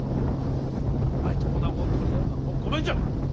お前と女子を取り合うのはもうごめんじゃ。